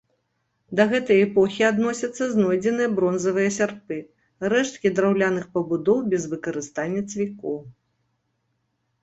Да гэтай эпохі адносяцца знойдзеныя бронзавыя сярпы, рэшткі драўляных пабудоў без выкарыстання цвікоў.